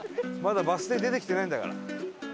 まだバス停出てきてないんだから。